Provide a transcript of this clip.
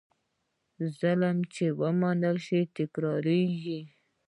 ظلم چې ومنل شي، تکرارېږي.